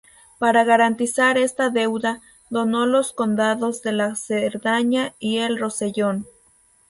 Para garantizar esta deuda, donó los condados de la Cerdaña y el Rosellón.